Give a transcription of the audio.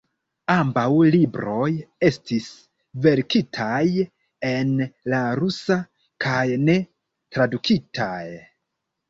Ambaŭ libroj estis verkitaj en la rusa kaj ne tradukitaj.